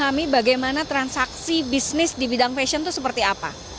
memahami bagaimana transaksi bisnis di bidang fashion itu seperti apa